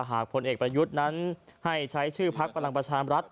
พลเอกประยุทธ์นั้นให้ใช้ชื่อพักพลังประชามรัฐ